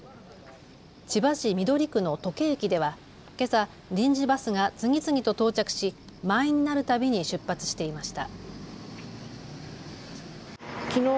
千葉市緑区の土気駅ではけさ、臨時バスが次々と到着し、満員になるたびに出発していました。